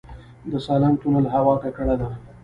د سالنګ تونل هوا ککړه ده